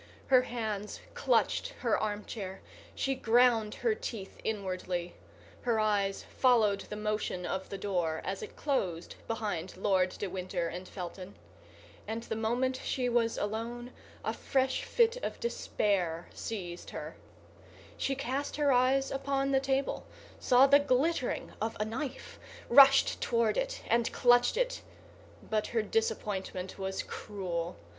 Her hands clutched her armchair; she ground her teeth inwardly; her eyes followed the motion of the door as it closed behind Lord de Winter and Felton, and the moment she was alone a fresh fit of despair seized her. She cast her eyes upon the table, saw the glittering of a knife, rushed toward it and clutched it; but her disappointment was cruel.